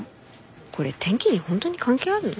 これ天気に本当に関係あるの？